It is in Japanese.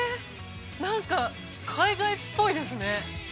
何か海外っぽいですね